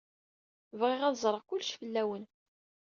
Bɣiɣ ad ẓreɣ kullec fell-awen.